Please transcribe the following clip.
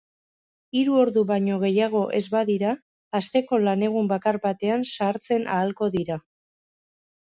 Hiru ordu baino gehiago ez badira, asteko lanegun bakar batean sartzen ahalko dira.